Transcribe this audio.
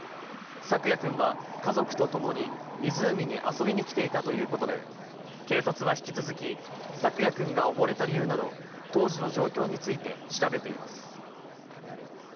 朔矢君は家族と共に湖に遊びに来ていたということで、警察は引き続き、朔矢君が溺れた理由など、当時の状況について調べています。